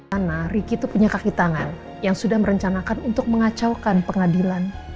karena ricky itu punya kaki tangan yang sudah merencanakan untuk mengacaukan pengadilan